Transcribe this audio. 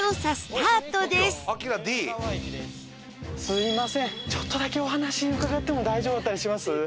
すみませんちょっとだけお話伺っても大丈夫だったりします？